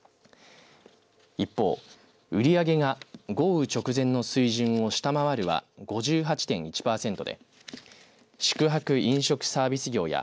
一方、売り上げが豪雨直前の水準を下回るは５８．１パーセントで宿泊・飲食サービス業や